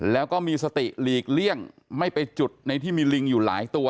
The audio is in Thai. แล้วก็มีสติหลีกเลี่ยงไม่ไปจุดในที่มีลิงอยู่หลายตัว